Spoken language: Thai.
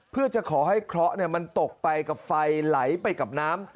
เพื่อจะขอให้เคราะห์มันตกไปกับไฟไหลไปกับน้ำ